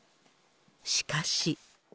しかし。